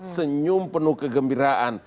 senyum penuh kegembiraan